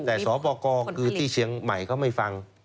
แต่สปกรคือที่เชียงใหม่เขาไม่ฟัง